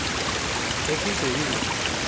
es increíble